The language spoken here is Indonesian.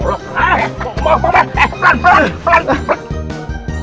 eh pelan pelan pelan